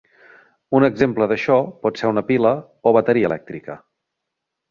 Un exemple d'això pot ser una pila o bateria elèctrica.